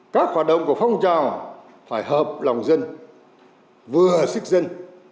các hoạt động của phong trào phải hợp lòng dân vừa sức dân